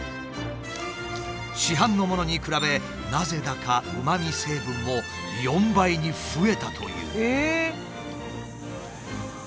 市販のものに比べなぜだかうまみ成分も４倍に増えたという。